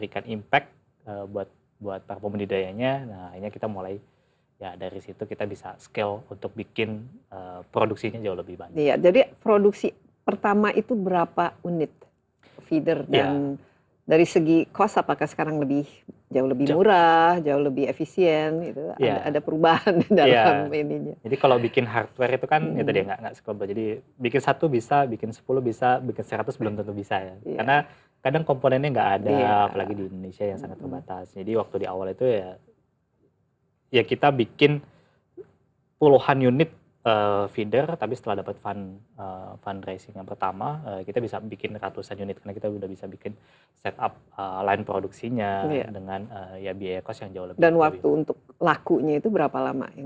kebutuhan protein hewani terbesar dunia